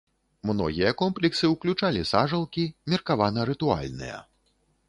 Многія комплексы ўключалі сажалкі, меркавана рытуальныя.